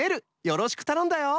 よろしくたのんだよ！